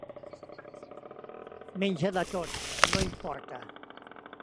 Menja de tot, no importa.